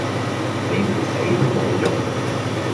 你唔死都無用